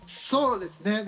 そうですね。